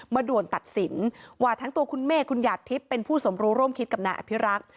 ด่วนตัดสินว่าทั้งตัวคุณเมฆคุณหยาดทิพย์เป็นผู้สมรู้ร่วมคิดกับนายอภิรักษ์